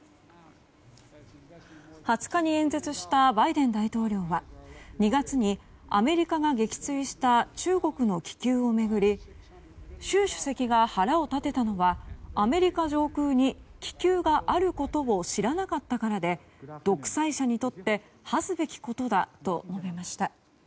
２０日に演説したバイデン大統領は２月にアメリカが撃墜した中国の気球を巡り習主席が腹を立てたのはアメリカ上空に気球があることを知らなかったからで独裁者にとって恥ずべきことだと述べました。